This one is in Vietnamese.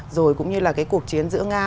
rồi cũng như là cái cuộc chiến giữa nga